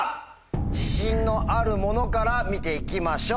⁉自信のあるものから見ていきましょう。